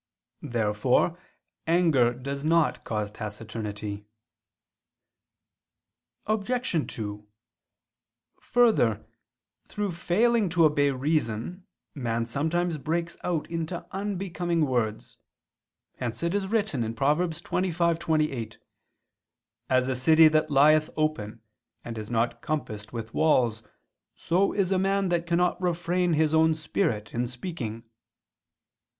'" Therefore anger does not cause taciturnity. Obj. 2: Further, through failing to obey reason, man sometimes breaks out into unbecoming words: hence it is written (Prov. 25:28): "As a city that lieth open and is not compassed with walls, so is a man that cannot refrain his own spirit in speaking."